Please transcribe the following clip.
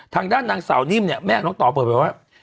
ทางด้านนางสาวนิ่มเนี่ยแม่น้องต่อเปิดไปว่า